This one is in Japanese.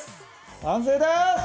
完成です！